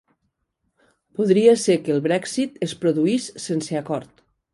Podria ser que el Brexit es produís sense acord